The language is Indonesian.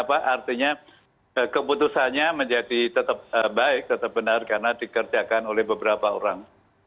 artinya keputusannya menjadi tetap baik tetap benar karena dikerjakan oleh beberapa orang